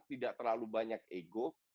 tidak terlalu banyak ego